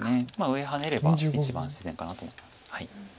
上ハネれば一番自然かなと思います。